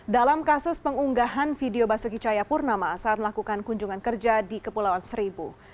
dalam kasus pengunggahan video basuki cayapurnama saat melakukan kunjungan kerja di kepulauan seribu